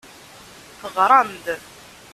Teɣram-d.